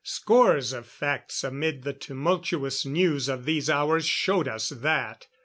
Scores of facts amid the tumultuous news of these hours showed us that.